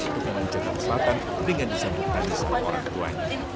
untuk mengejarkan selatan dengan disembuhkan oleh orang tua